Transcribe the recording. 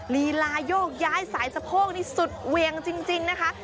ลีลายกย้ายสายสะโพกนี่สุดเวียงจริงนะคะ